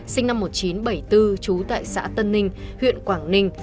sinh năm một nghìn chín trăm bảy mươi bốn trú tại xã tân ninh huyện quảng ninh